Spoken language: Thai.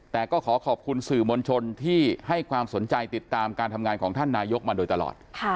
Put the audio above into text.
แต่ก็ขอขอบคุณสื่อมวลชนที่ให้ความสนใจติดตามการทำงานของท่านนายกมาโดยตลอด